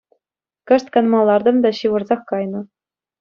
Кӑшт канма лартӑм та ҫывӑрсах кайнӑ.